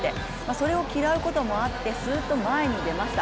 それを嫌うこともあってすーっと前に出ました。